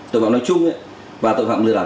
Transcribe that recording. tội phạm nói chung và tội phạm lừa đảo